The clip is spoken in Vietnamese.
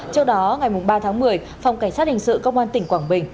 trước đó ngày ba tháng một mươi phòng cảnh sát hình sự công an tỉnh quảng bình